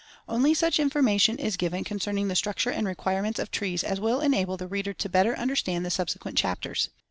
Only such information is given concerning the structure and requirements of trees as will enable the reader better to understand the subsequent chapters.